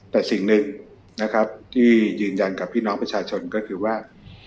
แต่สิ่งหนึ่งนะครับที่ยืนยันกับพี่น้องประชาชนก็คือว่า